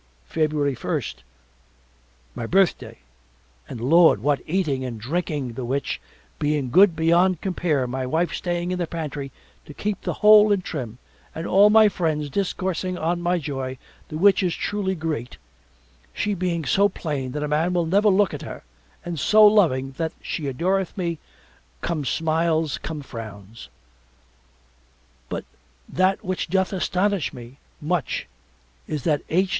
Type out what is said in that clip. February first My birthday and Lord what eating and drinking the which being good beyond compare my wife staying in the pantry to keep the whole in trim and all my friends discoursing on my joy the which is truly great she being so plain that a man will never look at her and so loving that she adoreth me come smiles come frowns. But that which doth astonish me much is that H.